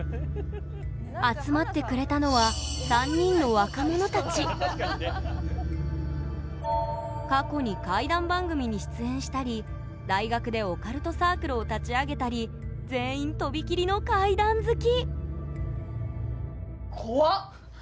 集まってくれたのは過去に怪談番組に出演したり大学でオカルトサークルを立ち上げたり全員とびきりの怪談好き！